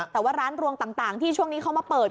แต่ว่าร้านรวงต่างที่ช่วงนี้เขามาเปิด